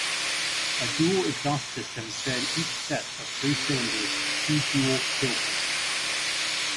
A dual exhaust system fed each set of three cylinders to two dual tailpipes.